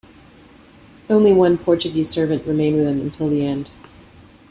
Only one Portuguese servant remained with him until the end.